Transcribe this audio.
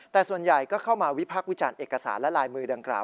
แต่ส่วนใหญ่ก็เข้ามาวิพักษ์วิจารณ์เอกสารและลายมือดังกล่า